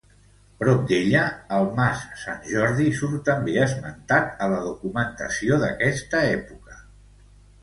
Prop d'ella, el mas Sant Jordi surt també esmentat a la documentació d'aquesta època.